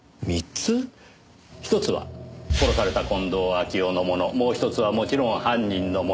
ひとつは殺された近藤秋夫のものもうひとつはもちろん犯人のもの。